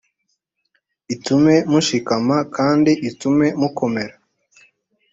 itume mushikama kandi itume mukomera